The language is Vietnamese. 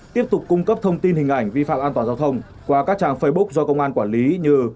tiếp tục cung cấp thông tin hình ảnh vi phạm an toàn giao thông qua các trang facebook do công an quản lý như